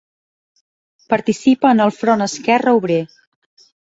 Participa en el Front Esquerre Obrer.